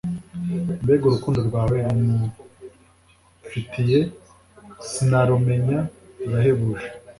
mbega urukundo rwawe um fitiye sinarumenya rurahebuje